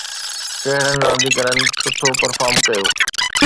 ڪهڙن رانديگرن سٺو پرفارم ڪيو؟